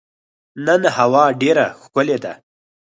نن هوا ډېره ښکلې ده.